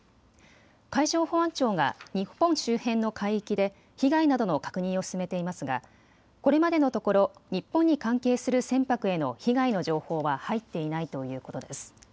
海上保安庁が日本周辺の海域で被害などの確認を進めていますがこれまでのところ日本に関係する船舶への被害の情報は入っていないということです。